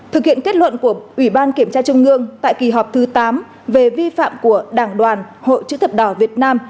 thực hiện kết luận của ủy ban kiểm tra trung ương tại kỳ họp thứ tám về vi phạm của đảng đoàn hội chữ thập đỏ việt nam